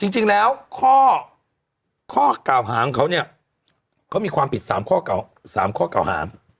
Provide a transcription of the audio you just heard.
จริงแล้วข้อเก่าหามเขามีความผิด๓ข้อเก่าหาม